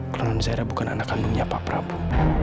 kalo nonzaira bukan anak kandungnya pak prabu